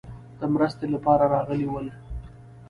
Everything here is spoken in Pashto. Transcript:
د مرستې لپاره راغلي ول.